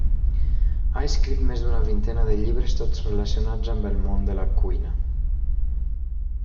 Ha escrit més d'una vintena de llibres tots relacionats amb el món de la cuina.